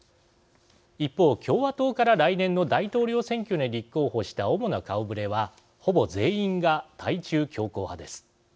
一方、共和党から来年の大統領選挙に立候補した主な顔ぶれはほぼ全員が対中強硬派です。